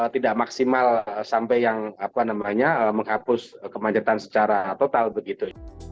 tidak maksimal sampai yang menghapus kemacetan secara total begitu